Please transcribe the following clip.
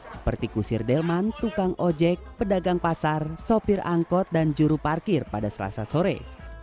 seperti kusir delman tukang ojek pedagang pasar sopir angkot dan juru parkir pada selasa sore